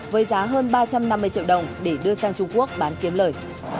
với giá hơn ba trăm năm mươi triệu đồng để đưa sang trung quốc bán kiếm lời